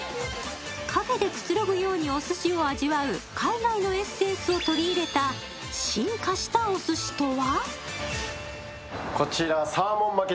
カフェでくつろぐようにおすしを味わう海外のエッセンスを取り入れた進化したおすしとは？